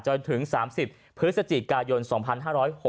จนถึง๓๐พฤศจิกายน๒๕๖๖